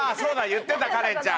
言ってたカレンちゃん。